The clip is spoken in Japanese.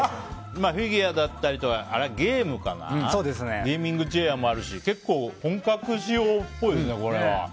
フィギュアだったりあれはゲームかなゲーミングチェアもあるし結構、本格仕様っぽいですね。